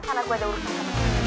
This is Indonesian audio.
karena gue ada urusan